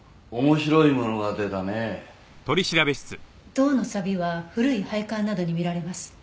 銅のさびは古い配管などに見られます。